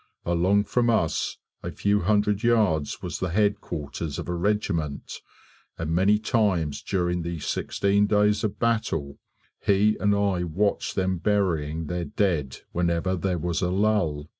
Along from us a few hundred yards was the headquarters of a regiment, and many times during the sixteen days of battle, he and I watched them burying their dead whenever there was a lull.